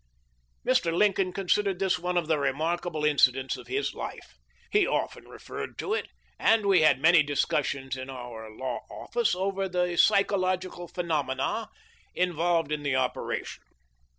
Mr. Lincoln considered this one of the remarka ble incidents of his life. He often referred to it, and we had many discussions in our law office over the psychological phenomena involved in the opera tion.